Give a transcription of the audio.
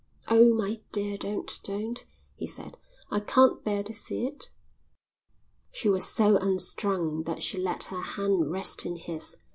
"Oh, my dear, don't, don't," he said. "I can't bear to see it." She was so unstrung that she let her hand rest in his.